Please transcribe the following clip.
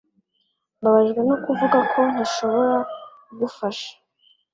Mbabajwe no kuvuga ko ntashobora kugufasha.